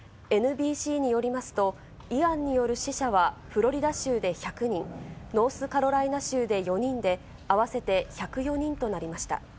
ＮＢＣによりますと、イアンによる死者は、フロリダ州で１００人、ノースカロライナ州で４人で、合わせて１０４人となりました。